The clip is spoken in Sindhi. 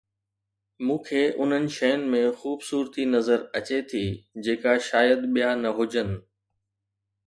مون کي انهن شين ۾ خوبصورتي نظر اچي ٿي جيڪا شايد ٻيا نه هجن